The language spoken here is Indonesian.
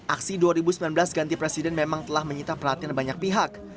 aksi dua ribu sembilan belas ganti presiden memang telah menyita perhatian banyak pihak